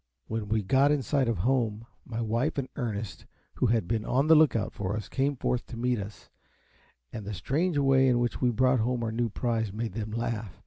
When we got in sight of home, my wife and Ernest, who had been on the look out for us, came forth to meet us; and the strange way in which we brought home our new prize made them laugh.